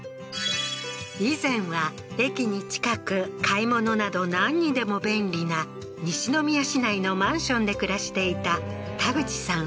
以前は駅に近く買い物などなんにでも便利な西宮市内のマンションで暮らしていた田口さん